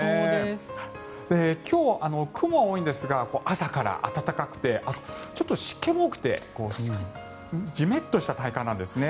今日、雲は多いんですが朝から暖かくてちょっと湿気も多くてジメッとした体感なんですね。